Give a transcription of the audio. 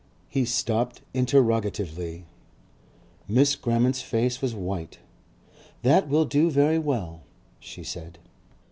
He stopped interrogatively. Miss Grammont's face was white. "That will do very well," she said.